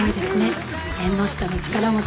縁の下の力持ち。